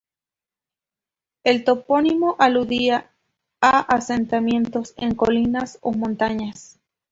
El topónimo aludía a asentamientos en colinas o montañas.